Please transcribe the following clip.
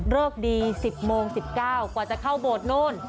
เริกดี๑๐โมง๑๙กว่าจะเข้าบทนู้น